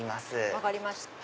分かりました。